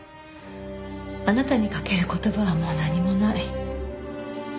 あなたにかける言葉はもう何もない。